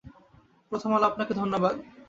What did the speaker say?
প্রথম আলো আপনাকে ধন্যবাদ।